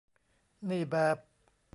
นี่แบบ